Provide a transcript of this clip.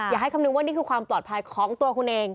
อย่าให้คำนึงว่านี่คือความปลอดภัยของตัวคุณเอง